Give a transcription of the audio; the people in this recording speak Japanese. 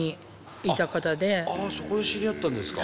あそこで知り合ったんですか。